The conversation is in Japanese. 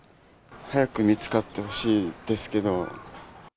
早く見つかってほしいですけど。